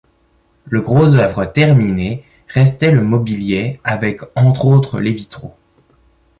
Le gros œuvre terminé, restait le mobilier, avec entre autres, les vitraux.